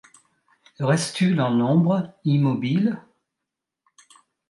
Restes-tu dans l'ombre, immobile ?